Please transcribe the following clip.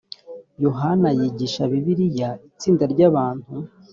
yohana yigisha bibiliya itsinda ry’ abantu